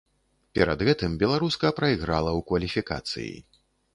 Перад гэтым беларуска прайграла ў кваліфікацыі.